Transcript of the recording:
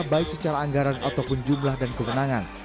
baik secara anggaran ataupun jumlah dan kewenangan